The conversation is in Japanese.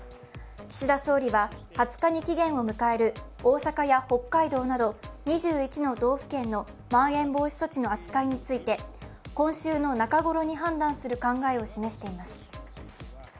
岸田総理は２０日に期限を迎える大阪や北海道など２１の道府県のまん延防止等重点措置の扱いについて今週の中頃に判断する考えを示しています。